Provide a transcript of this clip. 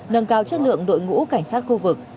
nâng cao chất lượng đội ngũ cảnh sát khu vực